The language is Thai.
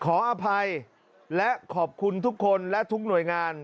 ขออภัยและขอบคุณทุกคนและทุกหน่วยงาน